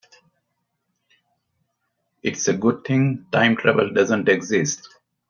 It's a good thing time travel doesn't exist.